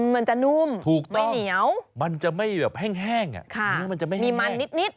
มันจะนุ่มไม่เหนียวถูกต้องมันจะไม่แห้งมันจะไม่แห้งมีมันนิด